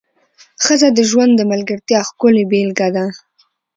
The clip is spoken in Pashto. ښځه د ژوند د ملګرتیا ښکلې بېلګه ده.